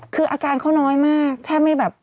คืออาการเขาน้อยมาก